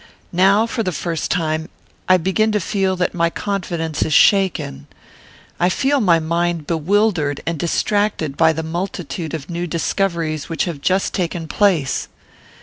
Now, for the first time, I begin to feel that my confidence is shaken. I feel my mind bewildered and distracted by the multitude of new discoveries which have just taken place.